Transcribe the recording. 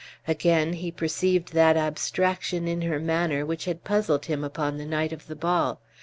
Again he perceived that abstraction in her manner which had puzzled him upon the night of the ball.